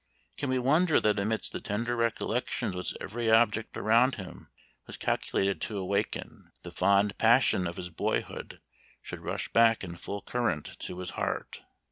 Can we wonder that amidst the tender recollections which every object around him was calculated to awaken, the fond passion of his boyhood should rush back in full current to his heart?